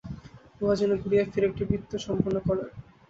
উহা যেন ঘুরিয়া ফিরিয়া একটি বৃত্ত সম্পূর্ণ করে।